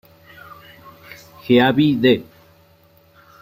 Heavy D!